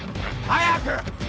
早く！